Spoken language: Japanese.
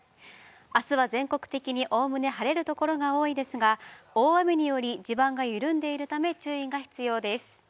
あすは全国的におおむね晴れるところが多いですが大雨により、地盤が緩んでいるため、注意が必要です。